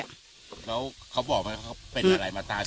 แล้วเขาบอกมั้ยเป็นอะไรมาตากัน